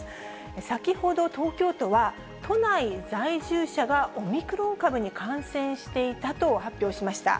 先ほど、東京都は都内在住者がオミクロン株に感染していたと発表しました。